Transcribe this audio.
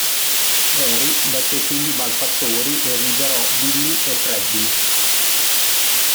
Mary batté quindi i malfattori e liberò Billy e Freddy.